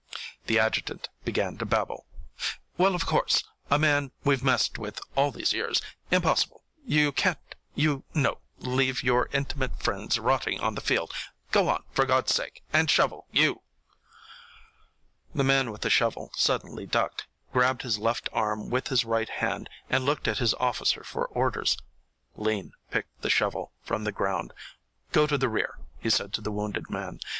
The adjutant began to babble. "Well, of course a man we've messed with all these years impossible you can't, you know, leave your intimate friends rotting on the field. Go on, for God's sake, and shovel, you!" The man with the shovel suddenly ducked, grabbed his left arm with his right hand, and looked at his officer for orders. Lean picked the shovel from the ground. "Go to the rear," he said to the wounded man.